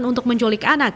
untuk menculik anak